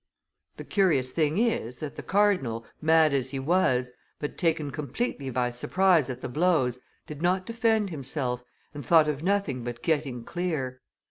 The curious thing is, that the cardinal, mad as he was, but taken completely by surprise at the blows, did not defend himself, and thought of nothing but getting clear.